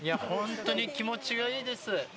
本当に気持ちがいいです。